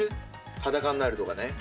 裸になるとか。